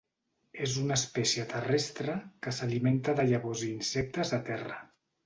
És una espècie terrestre, que s'alimenta de llavors i insectes a terra.